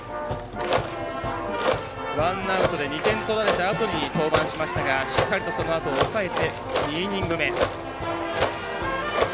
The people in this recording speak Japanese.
ワンアウトで２点取られたあとに登板しましたが、しっかりとそのあと抑えて２イニング目。